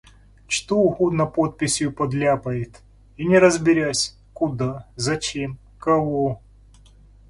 Что угодно подписью подляпает, и не разберясь: куда, зачем, кого?